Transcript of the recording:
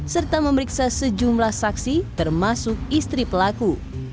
serta memeriksa sejumlah saksi termasuk istri pelaku